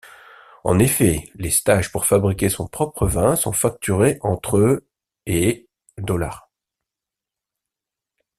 En effet, les stages pour fabriquer son propre vin sont facturés entre et $.